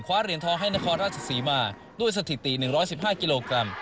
เหรียญทองให้นครราชศรีมาด้วยสถิติ๑๑๕กิโลกรัม